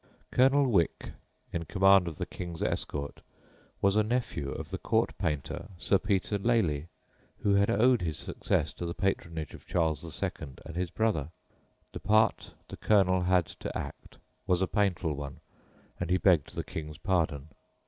Colonel Wycke, in command of the King's escort, was a nephew of the court painter Sir Peter Lely, who had owed his success to the patronage of Charles II. and his brother. The part the Colonel had to act was a painful one, and he begged the King's pardon.